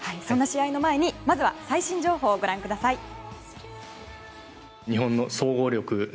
そんな試合の前にまずは最新情報をご覧ください。